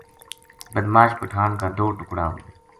بِدمعاش پٹھان کا دو ٹکڑا ہو گیا